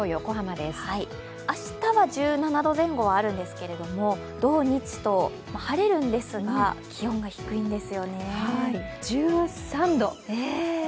明日は１７度前後はあるんですけれども土・日と晴れるんですが、気温が低いんですよね。